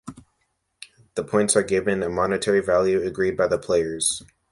The points are given a monetary value agreed by the players.